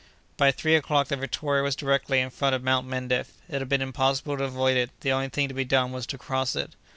By three o'clock the Victoria was directly in front of Mount Mendif. It had been impossible to avoid it; the only thing to be done was to cross it.